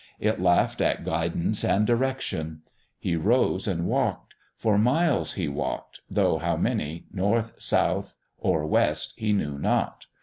It laughed at guidance and direction. He rose and walked; for miles he walked, though how many, north, south, or west, he knew not.